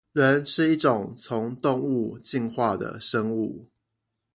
人是一種從動物進化的生物